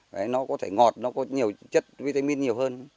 đấy nó có thể ngọt nó có nhiều chất vitamin nhiều hơn